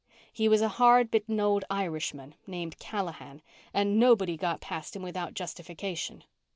He was a hard bitten old Irishman named Callahan, and nobody got past him without justification.